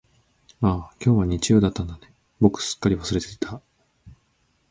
ああ、今日は日曜だったんだね、僕すっかり忘れていた。